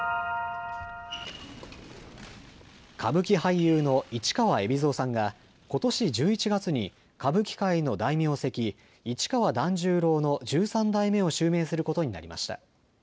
歌舞伎俳優の市川海老蔵さんがことし１１月に歌舞伎界の大名跡、市川團十郎の十三代目を襲名することになりました。